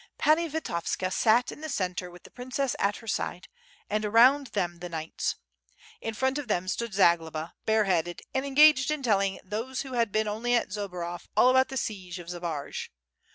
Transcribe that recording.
Pani Vitovska sat in the centre with the princess at her side, and around them the knights. In front of them stood Zagloba, bareheaded, and engaged in telling those who had been only at Zborov all about the siege of Zbaraj.